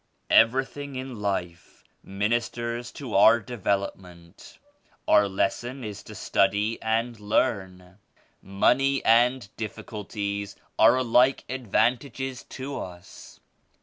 "Everything in life ministers to our develop ment. Our lesson is to study and learn. Money and difficulties are alike advantages to us.